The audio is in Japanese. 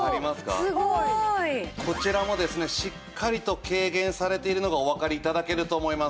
すごい！こちらもですねしっかりと軽減されているのがおわかり頂けると思います。